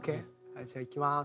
じゃあいきます。